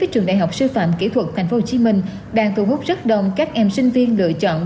trường đại học sư phạm kỹ thuật tp hcm đang thu hút rất đông các em sinh viên lựa chọn